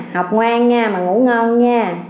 học ngoan nha mà ngủ ngon